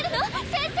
先生！